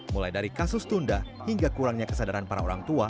mulai dari kasus tunda hingga kurangnya kesadaran para orang tua